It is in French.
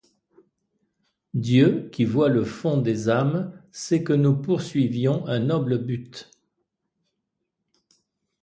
Dieu, qui voit le fond des âmes, sait que nous poursuivions un noble but.